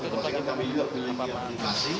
masih kan kami juga pilih di aplikasi